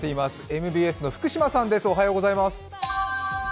ＭＢＳの福島さんです。